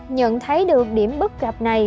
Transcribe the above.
nhận thấy được điểm bất cập này